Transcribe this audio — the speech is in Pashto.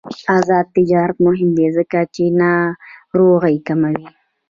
آزاد تجارت مهم دی ځکه چې ناروغۍ کموي.